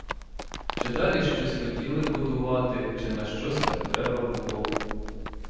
Чи далі щось хотіли будувати, чи нащось так треба було.